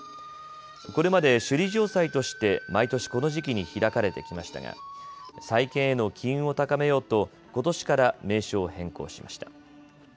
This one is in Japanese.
これまで首里城祭として毎年この時期に開かれてきましたが再建への機運を高めようとことしから名称を変更しました。